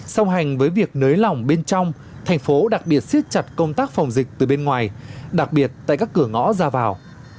song hành với việc nới lỏng bên trong thành phố đặc biệt siết chặt công tác phòng dịch từ bên ngoài đặc biệt tại các cửa ngõ ra vào